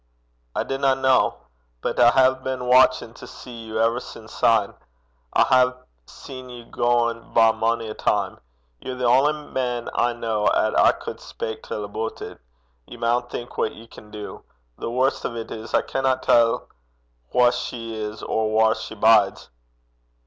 'I dinna ken. But I hae been watchin' to see you ever sin' syne. I hae seen ye gang by mony a time. Ye're the only man I ken 'at I could speyk till aboot it. Ye maun think what ye can do. The warst o' 't is I canna tell wha she is or whaur she bides.'